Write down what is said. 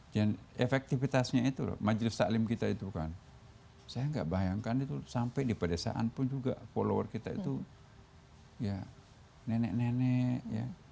dan efektifitasnya itu loh majlis sa'lim kita itu kan saya gak bayangkan itu sampai di pedesaan pun juga follower kita itu ya nenek nenek ya